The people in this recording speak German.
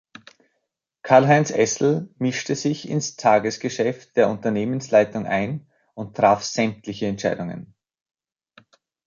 Karlheinz Essl mischte sich ins Tagesgeschäft der Unternehmensleitung ein und traf sämtliche Entscheidungen.